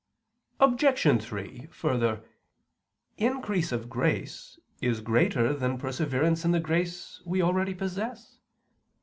Obj. 3: Further, increase of grace is greater than perseverance in the grace we already possess.